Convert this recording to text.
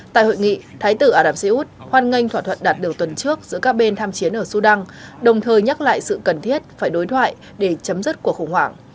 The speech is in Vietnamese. tại hội nghị thái tử ả rập xê ú hoan nghênh thỏa thuận đạt được tuần trước giữa các bên tham chiến ở sudan đồng thời nhắc lại sự cần thiết phải đối thoại để chấm dứt cuộc khủng hoảng